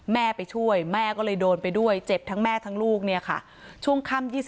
แม่ไปช่วยแม่ก็เลยโดนไปด้วยเจ็บทั้งแม่ทั้งลูกเนี่ยค่ะช่วงค่ำ